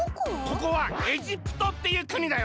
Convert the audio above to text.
ここはエジプトっていうくにだよ。